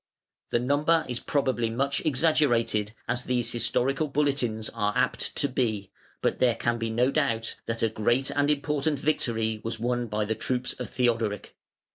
The number is probably much exaggerated (as these historical bulletins are apt to be), but there can be no doubt that a great and important victory was won by the troops of Theodoric.